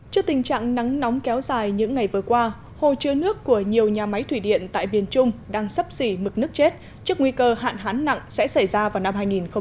trước tình trạng nắng nóng kéo dài những ngày vừa qua hồ chứa nước của nhiều nhà máy thủy điện tại biên trung đang sắp xỉ mực nước chết trước nguy cơ hạn hán nặng sẽ xảy ra vào năm hai nghìn hai mươi